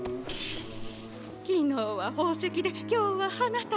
昨日は宝石で今日は花束。